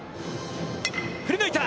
振り抜いた！